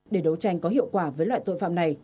để đấu tranh có hiệu quả với loại tội phạm này